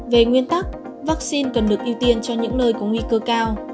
về nguyên tắc vaccine cần được ưu tiên cho những nơi có nguy cơ cao